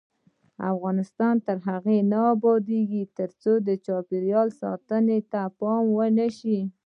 افغانستان تر هغو نه ابادیږي، ترڅو د چاپیریال ساتنې ته پام ونشي.